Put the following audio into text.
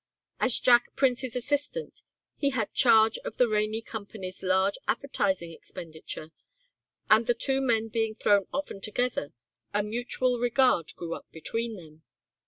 As Jack Prince's assistant he had charge of the Rainey Company's large advertising expenditure, and the two men being thrown often together a mutual regard grew up between them.